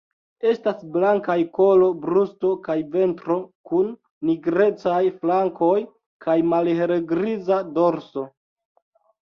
Estas blankaj kolo, brusto kaj ventro kun nigrecaj flankoj kaj malhelgriza dorso.